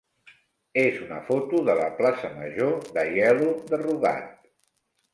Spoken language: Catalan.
és una foto de la plaça major d'Aielo de Rugat.